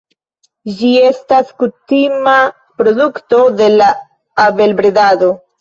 Ĝi estas kutima produkto de la abelbredado.